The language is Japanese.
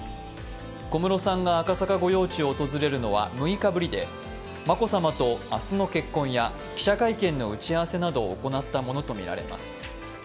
小室さんが赤坂御用地を訪れるのは６日ぶりで眞子さまと明日の結婚や記者会見の打ち合わせなどを行ったものとみられます。